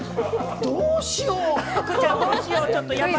どうしよう。